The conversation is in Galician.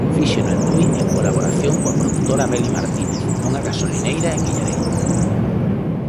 Fíxeno en Tui en colaboración coa produtora Beli Martínez, nunha gasolineira en Guillarei.